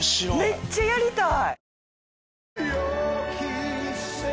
めっちゃやりたい！